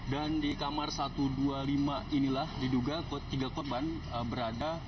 dan di kamar satu ratus dua puluh lima inilah diduga tiga korban berada